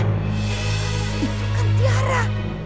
itu kan tiara